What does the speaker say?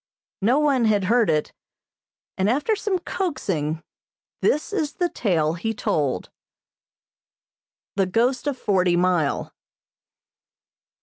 No one had heard it, and, after some coaxing, this is the tale he told. The Ghost of Forty Mile.